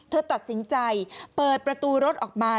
เธอตัดสินใจเปิดประตูรถออกมา